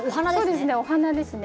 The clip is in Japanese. お花ですね。